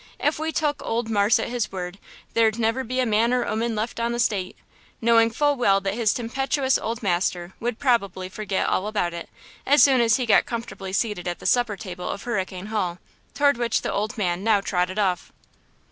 If we took ole marse at his word, there'd never be man or 'oman left on the 'state," knowing full well that his tempestuous old master would probably forget all about it, as soon as he got comfortably seated at the supper table of Hurricane Hall, toward which the old man now trotted off.